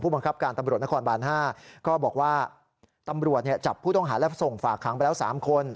บังคับการตำรวจนครบาน๕ก็บอกว่าตำรวจจับผู้ต้องหาและส่งฝากขังไปแล้ว๓คน